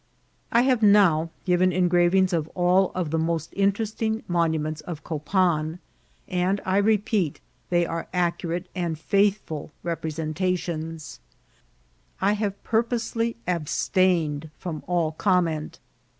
I have now given engravings of all the most interest ing monuments of Copan, and I repeat, they are accu rate and frdthfrd representations. I have purposely ab stained from all comment.